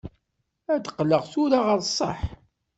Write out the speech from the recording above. Ad d-qqleɣ tura ɣer ṣṣeḥ.